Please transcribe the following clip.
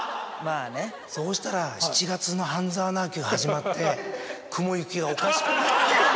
そうしたら７月の『半沢直樹』が始まって雲行きがおかしくなって。